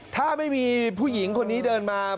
ถ้าไม่มีผู้หญิงคนนี้เดินมา